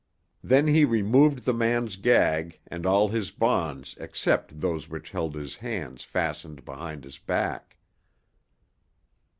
Then he removed the man's gag, and all his bonds except those which held his hands fastened behind his back.